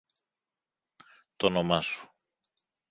Τ' όνομα σου!